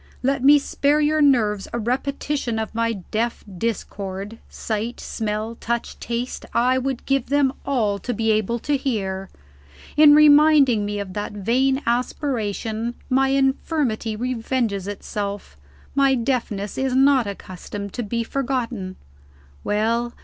"Let me spare your nerves a repetition of my deaf discord. Sight, smell, touch, taste I would give them all to be able to hear. In reminding me of that vain aspiration, my infirmity revenges itself: my deafness is not accustomed to be forgotten. Well!